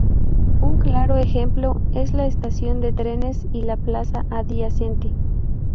Un claro ejemplo es la estación de trenes y la plaza adyacente.